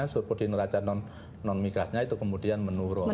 subsidi neraca non migasnya itu kemudian menurun